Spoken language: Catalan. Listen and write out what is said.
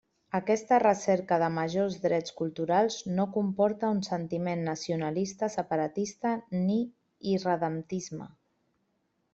Aquesta recerca de majors drets culturals no comporta un sentiment nacionalista separatista ni irredemptisme.